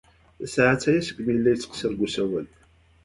Tasaɛet aya seg mi ay la yettqeṣṣir deg usawal.